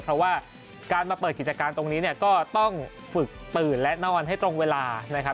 เพราะว่าการมาเปิดกิจการตรงนี้เนี่ยก็ต้องฝึกตื่นและนอนให้ตรงเวลานะครับ